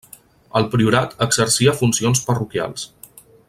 El priorat exercia funcions parroquials.